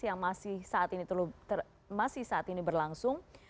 yang masih saat ini berlangsung